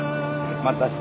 また明日。